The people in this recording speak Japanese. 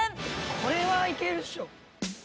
これはいけるっしょ。